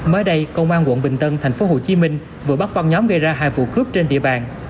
mới đây công an quận bình tân tp hcm vừa bắt băng nhóm gây ra hai vụ cướp trên địa bàn